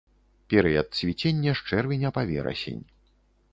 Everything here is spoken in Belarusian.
Перыяд цвіцення з чэрвеня па верасень.